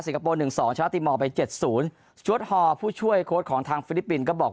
สิงคโปร์๑๒ชนะตีมอลไป๗๐ชวดหอผู้ช่วยโค้ดของทางฟิลิปปินส์ก็บอก